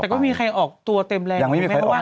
แต่ก็มีใครออกตัวเต็มแรงไหมเพราะว่า